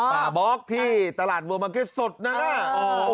ปลาบ๊อกที่ตลาดบัวมาร์เก็ตสดนะฮะ